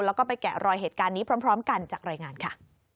แล้วก็ไปแกะรอยเหตุการณ์นี้พร้อมกันจากรายงานค่ะ